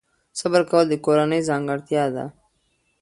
صبر کول د کورنۍ ځانګړتیا ده.